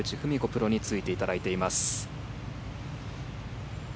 プロについてもらっています。